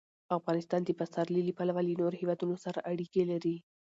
افغانستان د پسرلی له پلوه له نورو هېوادونو سره اړیکې لري.